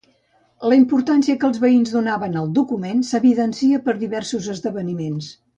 La importància que els veïns donaven al document s'evidencia per diversos esdeveniments.